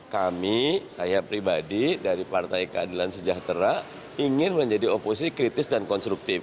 kami saya pribadi dari partai keadilan sejahtera ingin menjadi oposi kritis dan konstruktif